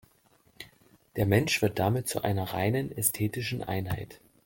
Der Mensch wird damit zu einer „reinen ästhetischen Einheit“.